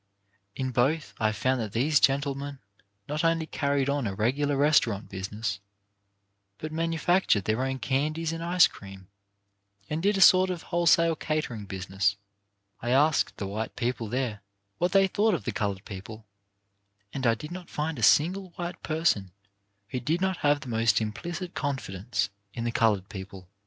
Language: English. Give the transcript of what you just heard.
In both I found that these gentlemen not only carried on a regular restaurant business, but manufactured their own candies and ice cream, and did a sort of wholesale catering business. I asked the white people there what they thought of the coloured people, and I did not find a single white person who did not have the most implicit confidence in the coloured people.